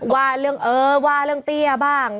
ว่าเรื่องเออว่าเรื่องเตี้ยบ้าง